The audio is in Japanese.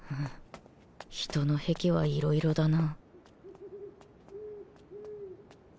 人の癖はいろいろだな